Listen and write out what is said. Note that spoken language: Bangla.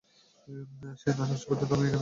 সে না আসা পর্যন্ত আপনি আমাকে সঙ্গ দিবেন?